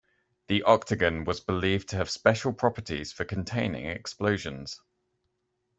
The octagon was believed to have special properties for containing explosions.